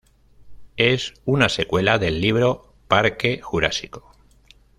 Es una secuela del libro "Parque Jurásico".